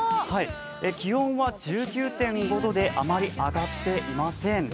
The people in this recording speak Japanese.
気温は１９．５度であまり上がっていません。